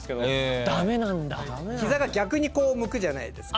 膝が逆に向くじゃないですか。